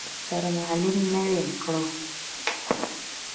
سرمالم نوې وکړه.